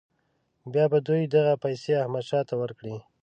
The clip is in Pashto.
بیا به دوی دغه پیسې احمدشاه ته ورکړي.